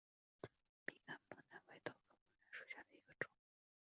敏感木蓝为豆科木蓝属下的一个种。